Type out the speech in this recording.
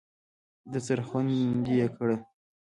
درسره خوندي یې کړه !